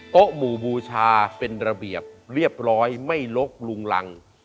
หมู่บูชาเป็นระเบียบเรียบร้อยไม่ลกลุงรัง